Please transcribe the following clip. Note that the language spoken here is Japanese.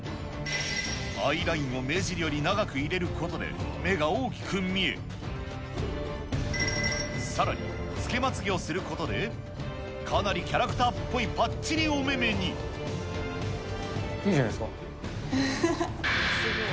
アイラインを目尻よく長く入れることで、目が大きく見え、さらに、付けまつげをすることで、かなりキャラクターっぽいぱっちりお目いいじゃないですか。